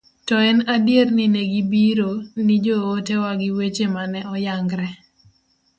to en adiera ni negibiro ni joote wa gi weche mane oyangre